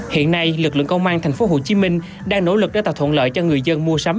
hiện nay lực lượng công an thành phố hồ chí minh đang nỗ lực để tạo thuận lợi cho người dân mua sắm